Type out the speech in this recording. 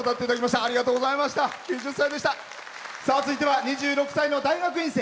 続いては２６歳の大学院生。